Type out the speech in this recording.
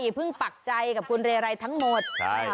อย่าเพิ่งปักใจกับคุณเรยรัยทั้งหมด